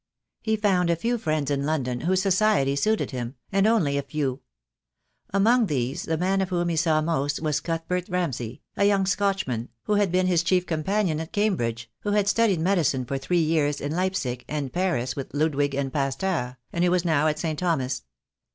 He found a few friends in London whose society suited him, and only a few. Among these the man of whom he saw most was Cuthbert Ramsay, a young Scotchman, who had been his chief companion at Cam bridge, who had studied medicine for three years in Leipsic and Paris with Ludwig and Pasteur, and who was now at St. Thomas'.